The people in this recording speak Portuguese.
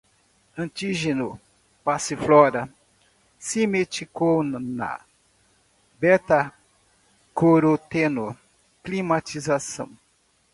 antígeno, passiflora, simeticona, betacoroteno, climatização